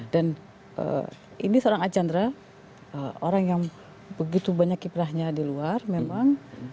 dan ini seorang asyanda orang yang begitu banyak kiprahnya di luar memang